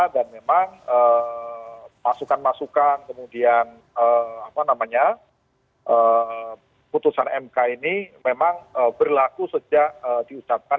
dan memang pasukan masukan kemudian putusan mk ini memang berlaku sejak diusapkan